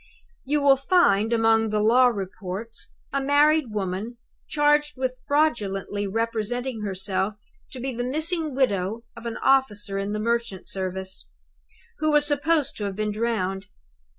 "'You will find, among the law reports, a married woman charged with fraudulently representing herself to be the missing widow of an officer in the merchant service, who was supposed to have been drowned.